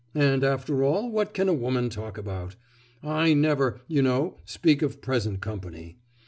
And after all, what can a woman talk about? I never, you know, speak of present company.